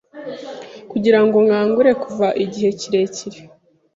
kugira ngo nkangure kuva igihe kirekire